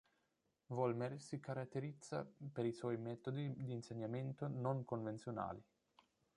Vollmer si caratterizza per i suoi metodi di insegnamento non convenzionali.